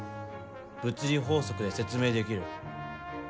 物理法則で説明できる。